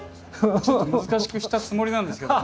ちょっと難しくしたつもりなんですけどね。